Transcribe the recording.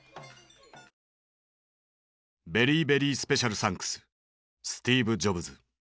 「ベリーベリースペシャルサンクススティーブ・ジョブズ」。